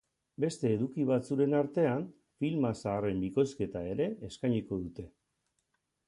Beste eduki batzuren artean, filma zaharre bikoizketa ere eskainiko dute.